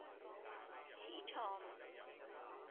始創